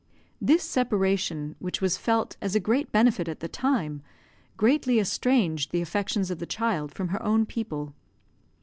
This separation, which was felt as a great benefit at the time, greatly estranged the affections of the child from her own people.